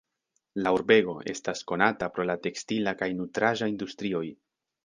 La urbego estas konata pro la tekstila kaj nutraĵa industrioj.